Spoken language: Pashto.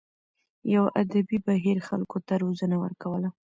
یوه ادبي بهیر خلکو ته روزنه ورکوله.